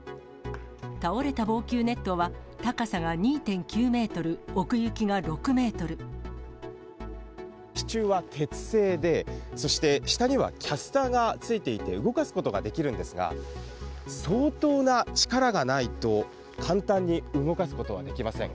倒れた防球ネットは、高さが２．９メートル、支柱は鉄製で、そして下にはキャスターが付いていて、動かすことができるんですが、相当な力がないと、簡単に動かすことはできません。